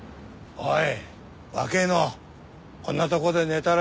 おい！